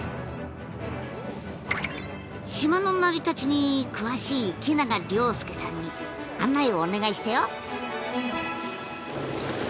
島の成り立ちに詳しい池永遼介さんに案内をお願いしたよ。